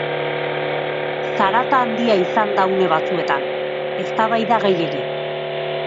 Zarata handia izan da une batzuetan, eztabaida gehiegi.